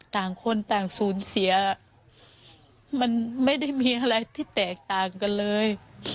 ต่างคนต่างสูญเสียมันไม่ได้มีอะไรที่แตกต่างกันเลย